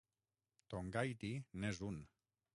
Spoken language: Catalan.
Tongahiti n'és un.